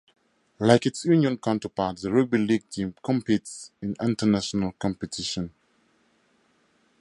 Like its union counterpart, the rugby league team competes in international competitions.